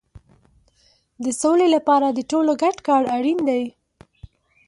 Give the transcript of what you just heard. د سولې لپاره د ټولو ګډ کار اړین دی.